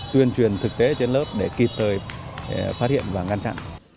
tuyên truyền thực tế trên lớp để kịp thời phát hiện và ngăn chặn